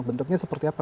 bentuknya seperti apa